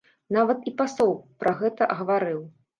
Нават і пасол пра гэта гаварыў.